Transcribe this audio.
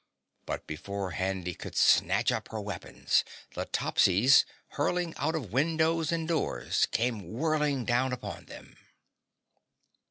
But before Handy could snatch up her weapons, the Topsies, hurling out of windows and doors, came whirling down upon them.